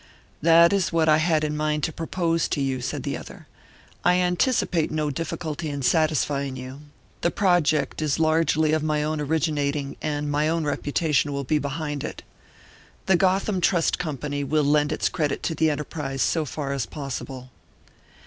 "That is what I had in mind to propose to you," said the other. "I anticipate no difficulty in satisfying you the project is largely of my own originating, and my own reputation will be behind it. The Gotham Trust Company will lend its credit to the enterprise so far as possible."